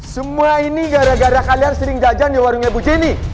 semua ini gara gara kalian sering jajan di warungnya bu jenny